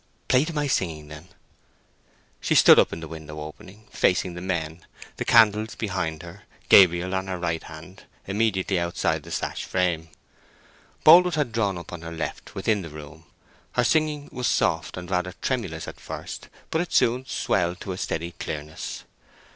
"Play to my singing, then." She stood up in the window opening, facing the men, the candles behind her, Gabriel on her right hand, immediately outside the sash frame. Boldwood had drawn up on her left, within the room. Her singing was soft and rather tremulous at first, but it soon swelled to a steady clearness.